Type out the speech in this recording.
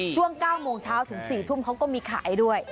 ช่วง๙โมงเช้าถึง๔ทุ่มเขาก็มีขายด้วย